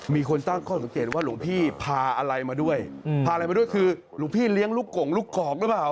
มีคนตั้งข้อสังเกตว่าหลวงพี่พาอะไรมาด้วยพาอะไรมาด้วยคือหลวงพี่เลี้ยงลูกกงลูกกอกหรือเปล่า